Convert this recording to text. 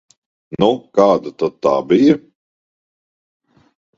Nu, kāda tad tā bija?